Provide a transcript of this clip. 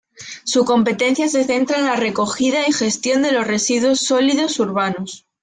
Su competencia se centra en la recogida y gestión de los residuos sólidos urbanos.